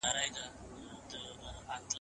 لېري زده کړه د کور د ارام چاپېریال اړتیا لري.